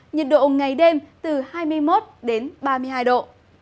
nhiệt độ ngày đêm từ hai mươi một đến ba mươi hai độ